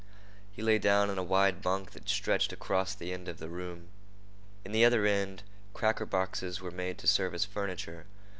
He lay down on a wide bunk that stretched across the end of the room. In the other end, cracker boxes were made to serve as furniture.